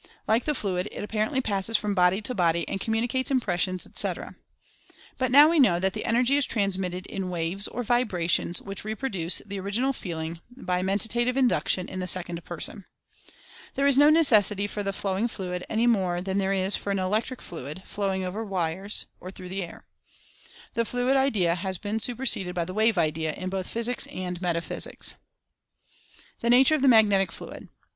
Like the "fluid" it ap parently passes from body to body and communicates impressions, etc. But we now know that the Energy is transmitted in waves or vibrations which reproduce the original feeling by Mentative Induction in the sec ond person. There is no necessity for the flowing "fluid" any more than there is for an "electric fluid" flowing over the wires, or through the air. The "fluid" idea has been superseded by the "wave" idea, in both physics and metaphysics. THE NATURE OF THE "MAGNETIC FLUID."